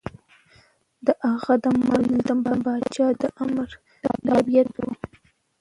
د هغه د مرګ دلیل د پاچا د امر تابعیت و.